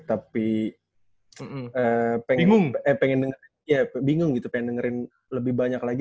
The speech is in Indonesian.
tapi bingung pengen dengerin lebih banyak lagi